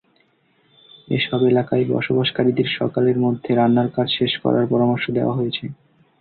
এসব এলাকায় বসবাসকারীদের সকালের মধ্যে রান্নার কাজ শেষ করার পরামর্শ দেওয়া হয়েছে।